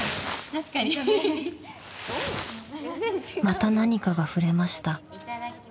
［また何かが触れました］